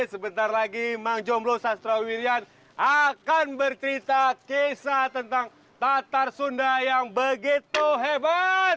sebentar lagi mang jomblo sastra wirian akan bercerita kisah tentang tatar sunda yang begitu hebat